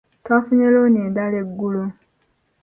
Twafunye looni endala eggulo.